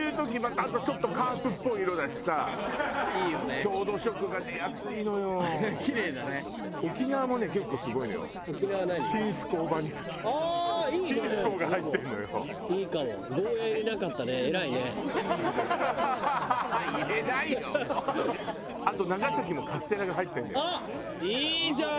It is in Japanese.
あっいいじゃん！